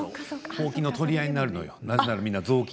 ほうきの取り合いになるのよ。